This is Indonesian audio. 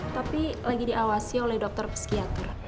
tapi lagi diawasi oleh dokter psikiater